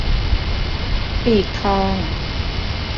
ปีกทอง